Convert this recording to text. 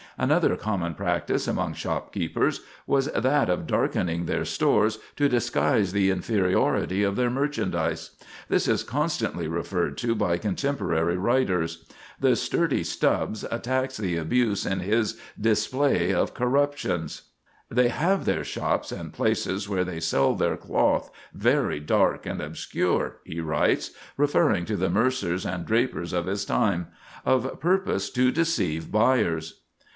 Another common practice among shopkeepers was that of darkening their stores to disguise the inferiority of their merchandise. This is constantly referred to by contemporary writers. The sturdy Stubbs attacks the abuse in his "Display of Corruptions." "They have their shops and places where they sell their cloth very dark and obscure," he writes, referring to the mercers and drapers of his time, "of purpose to deceive buyers."